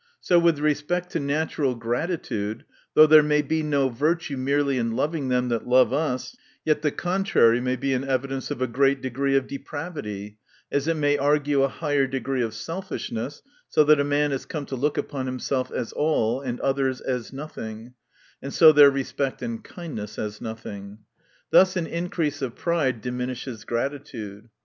So with respect to natural gratitude, though there may be no virtue merely in loving them that love us, yet the contrary may be an evidence of a great de gree of depravity, as it may argue a higher degree of selfishness, so that a man is come to look upon himself as all, and others as nothing, and so their respect and kindness as nothing. Thus an increase of pride diminishes gratitude.